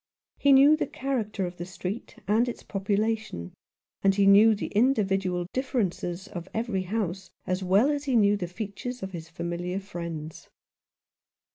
He knew the character of the street and its population, and he knew the individual differences of every house, as well as he knew the features of his familiar friends.